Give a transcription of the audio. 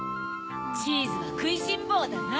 チーズはくいしんぼうだな。